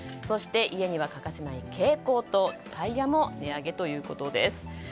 そして、家には欠かせない蛍光灯、タイヤも値上げということです。